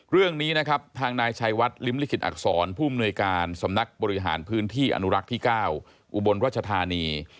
เรื่องนี้นะครับทางนายชัยวัดลิ้มลิขิตอักษรผู้อำนวยการสำนักบริหารพื้นที่อนุรักษ์ที่๙อุบลรัชธานี